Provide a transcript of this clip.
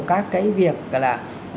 các cái việc gọi là